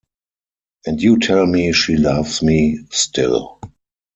And you tell me she loves me still!